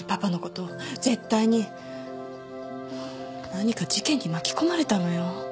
何か事件に巻き込まれたのよ